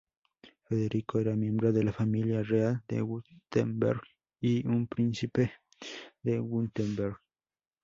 Federico era miembro de la familia real de Wurtemberg y un Príncipe de Wurtemberg.